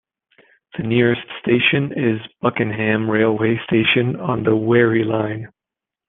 The nearest station is Buckenham railway station on the Wherry Line.